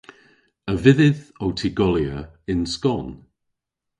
A vydhydh ow tygolya yn skon?